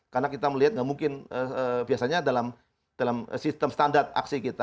karena kita melihat nggak mungkin biasanya dalam dalam sistem standar aksi kita